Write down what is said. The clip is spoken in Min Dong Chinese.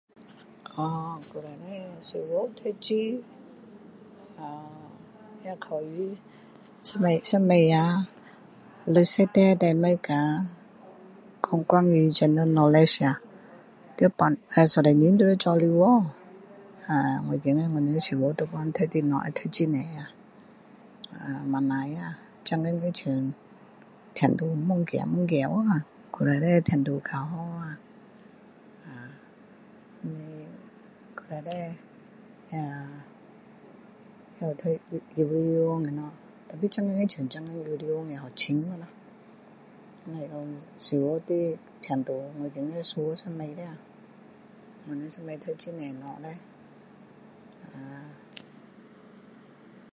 小学读书呃也考试以以前呀60题题目呀讲关于怎样knowledge 呀一个钟头里面都要做完我觉得我们小学那时候读的东西读很多呀不错呀现在好像程度越来越低去以前的程度比较高以前也有读幼稚园那些tapi 好像现在的幼稚园也很深去咯只是说小学的程度我觉得输以前的我们以前读很多东西叻